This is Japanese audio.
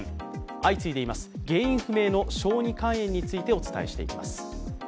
相次いでいます、原因不明の小児肝炎についてお伝えしていきます。